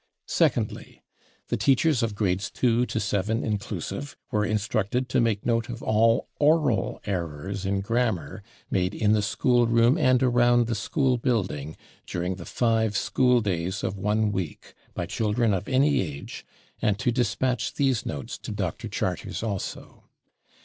Secondly, the teachers of grades II to VII inclusive were instructed to make note of "all oral errors in grammar made in the school room and around the school building" during the five school days of one week, by children of any age, and to dispatch these notes to Dr. Charters also.